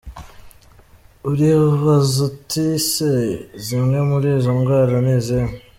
Uribaza uti ese zimwe muri izo ndwara ni izihe?.